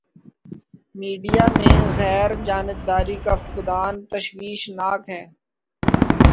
Media میں غیر جانبداری کا فقدان تشویش ناک ہے۔